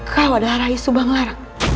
kau adalah rai subanglar